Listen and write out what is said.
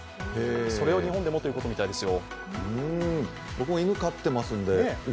それを日本でもということみたいですよ。